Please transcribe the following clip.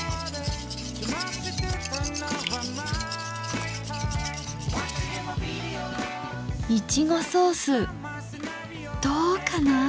いちごソースどうかな？